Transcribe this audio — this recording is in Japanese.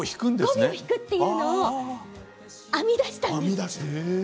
語尾を引くというのを編み出したんです。